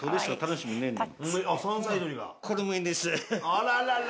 あららら。